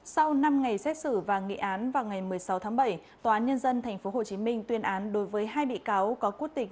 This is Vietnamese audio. sau năm ngày xét xử và nghị án vào ngày một mươi sáu tháng bảy tòa án nhân dân tp hcm tuyên án đối với hai bị cáo có quốc tịch